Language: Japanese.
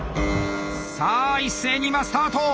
さあ一斉に今スタート！